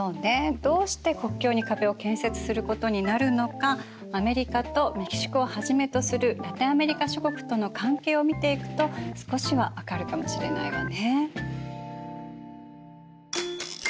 どうして国境に壁を建設することになるのかアメリカとメキシコをはじめとするラテンアメリカ諸国との関係を見ていくと少しは分かるかもしれないわね。